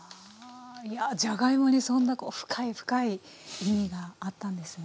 いやじゃがいもにそんな深い深い意味があったんですね。